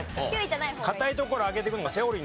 堅いところ開けていくのがセオリーなのよ。